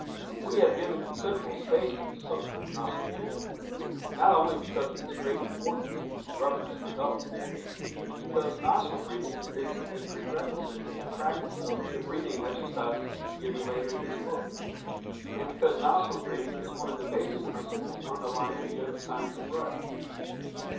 We have given considerable space to this subject of nostril breathing, not only because of its great importance in its reference to health, but because nostril breathing is a prerequisite to the practice of the breathing exercises to be given later in this book, and because nostril breathing is one of the basic principles underlying the Yogi Science of Breath.